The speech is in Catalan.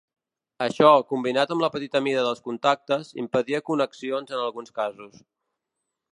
Això, combinat amb la petita mida dels contactes, impedia connexions en alguns casos.